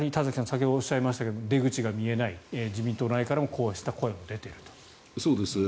先ほどおっしゃいましたが出口が見えない自民党内からもこうした声が出ていると。